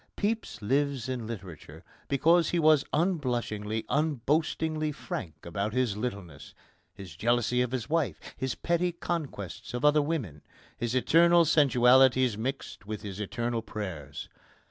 Pepys lives in literature because he was unblushingly, unboastingly, frank about his littleness his jealousy of his wife, his petty conquests of other women, his eternal sensualities mixed with his eternal prayers.